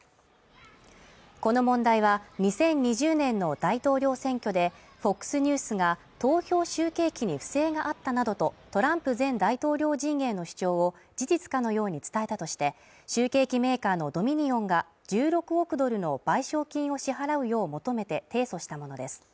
この問題は２０２０年の大統領選挙でＦＯＸニュースが投票集計機に不正があったなどと、トランプ前大統領陣営の主張を事実かのように伝えたとして、集計機メーカーのドミニオンが１６億ドルの賠償金を支払うよう求めて提訴したものです。